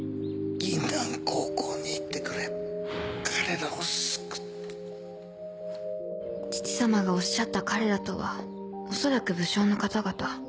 銀杏高校に行ってく彼らを救父様がおっしゃった「彼ら」とは恐らく武将の方々